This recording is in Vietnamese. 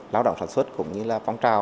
lao động sản xuất cũng như là phong trào